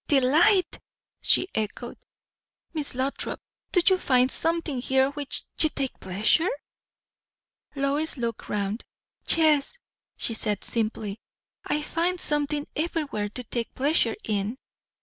"Delight!" she echoed. "Miss Lothrop, do you find something here in which you take pleasure?" Lois looked round. "Yes," she said simply. "I find something everywhere to take pleasure in."